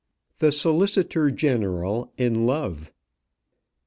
THE SOLICITOR GENERAL IN LOVE.